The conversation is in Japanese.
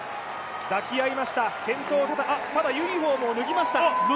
抱き合いました、健闘をたたえただ、ユニフォームを脱ぎました。